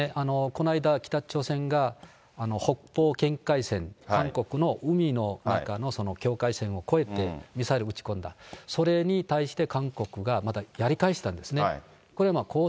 この間、北朝鮮が、北方線、韓国の海の中の境界線を越えてミサイルを撃ち込んだ、それに対して韓国がまたやり返したんですね。